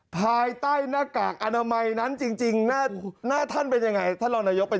ภายใต้หน้ากากอนามัยนั้นจริงหน้าท่านเป็นอย่างไร